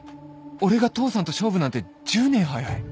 俺が父さんと勝負なんて１０年早い